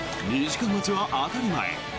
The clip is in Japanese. ２時間待ちは当たり前。